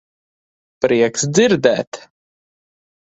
Prieks dzirdēt.